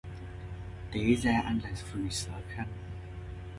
Té ra anh là phường sở khanh